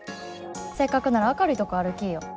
せっかくなら明るいとこ歩きいよ。